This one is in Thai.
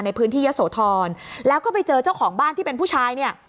ในพื้นที่ยะโสธรแล้วก็ไปเจอเจ้าของบ้านที่เป็นผู้ชายเนี่ย